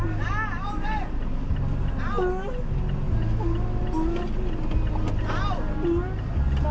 เอาเอาเอาเอาเอา